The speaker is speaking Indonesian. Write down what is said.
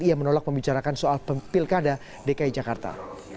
ia menolak membicarakan soal pilkada dki jakarta